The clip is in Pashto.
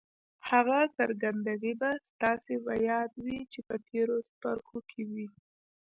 هغه څرګندونې به ستاسې په ياد وي چې په تېرو څپرکو کې وې.